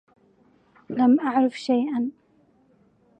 لم أعرفُ شيئاً.